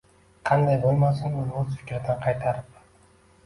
Qanday bo’lmasin uni o’z fikridan qaytarib